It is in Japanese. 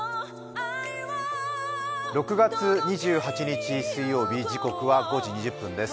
６月２８日水曜日、時刻は５時２０分です